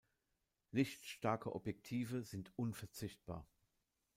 Lichtstarke Objektive sind unverzichtbar.